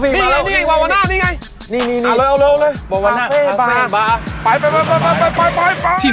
อะไรวะพี่